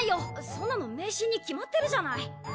そんなの迷信に決まってるじゃない。